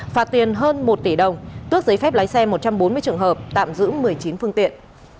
phạt tiền hơn một tỷ đồng tước giấy phép lái xe một trăm bốn mươi trường hợp tạm giữ một mươi chín phương tiện